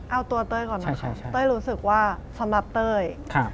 เอาตัวเต้ยก่อนนะคะเต้ยรู้สึกว่าสำหรับเต้ย